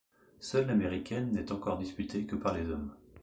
Seule l'américaine n'est encore disputée que par les hommes.